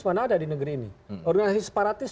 mana ada di negeri ini organisasi separatis